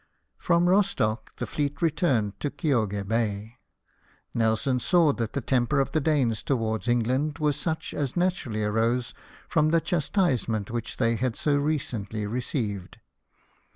From Rostock the fleet returned to Kioge Bay. Nelson saw that the temper of the Danes towards England was such as naturally arose from the chas tisement which they had so recently received.